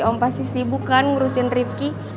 om pasti sibuk kan ngurusin rifki